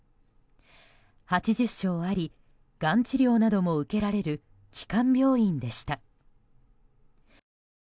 ８０床あり、がん治療なども受けられる基幹病院でした。